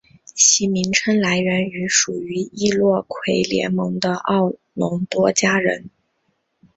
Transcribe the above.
其名称来源于属于易洛魁联盟的奥农多加人。